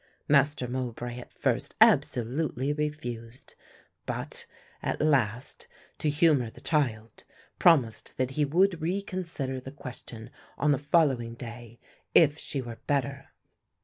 Master Mowbray at first absolutely refused; but, at last, to humour the child, promised that he would reconsider the question on the following day if she were better.